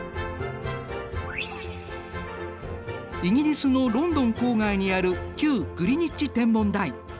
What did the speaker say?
イギリスのロンドン郊外にある旧グリニッジ天文台。